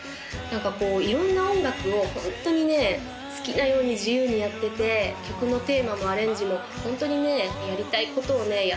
何かこう色んな音楽をホントにね好きなように自由にやってて曲のテーマもアレンジもホントにねやりたいことをね